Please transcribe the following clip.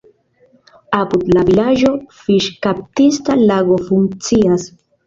Apud la vilaĝo fiŝkaptista lago funkcias.